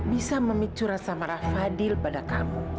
bisa memicu rasa marah fadil pada kamu